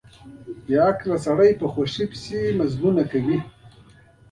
بې عقل سړی په خوښۍ پسې واټنونه وهي.